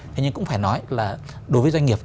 thế nhưng cũng phải nói là đối với doanh nghiệp